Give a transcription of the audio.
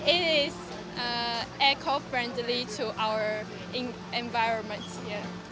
ini sangat berkawan dengan alam keadaan kita